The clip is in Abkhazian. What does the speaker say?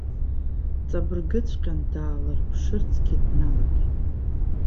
Ҵабыргыҵәҟьан даалырԥшырцгьы дналагеит.